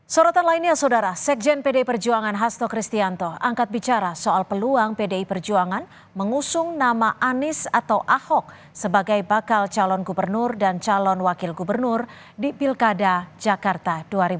sorotan lainnya saudara sekjen pdi perjuangan hasto kristianto angkat bicara soal peluang pdi perjuangan mengusung nama anies atau ahok sebagai bakal calon gubernur dan calon wakil gubernur di pilkada jakarta dua ribu tujuh belas